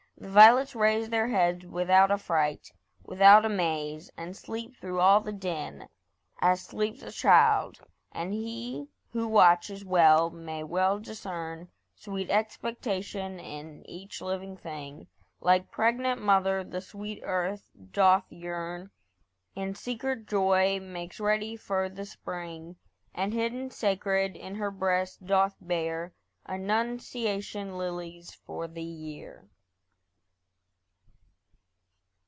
The violets raise Their heads without affright, without amaze, And sleep through all the din, as sleeps a child. And he who watches well may well discern Sweet expectation in each living thing. Like pregnant mother the sweet earth doth yearn; In secret joy makes ready for the spring; And hidden, sacred, in her breast doth bear Annunciation lilies for the year.